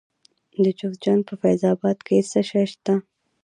د جوزجان په فیض اباد کې څه شی شته؟